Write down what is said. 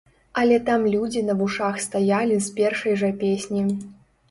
Але там людзі на вушах стаялі з першай жа песні.